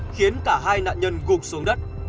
khiến cả hai nạn nhân gục xuống đất